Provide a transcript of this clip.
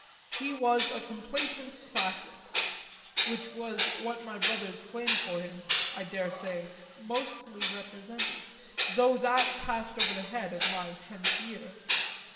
He was a complacent classic which was what my brother's claim for him, I dare say, mostly represented; though that passed over the head of my tenth year.